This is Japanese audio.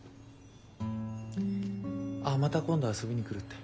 あまた今度遊びに来るって。